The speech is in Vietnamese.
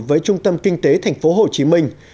với trung tâm kinh tế thành phố hồ chí minh